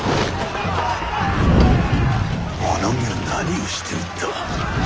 物見は何をしておった。